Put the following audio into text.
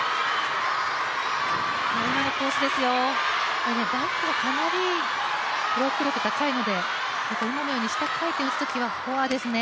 今のコースですよ、バックがかなり深いので、今のように下回転を打つときはフォアですね。